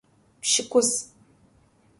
Pş'ık'uzı.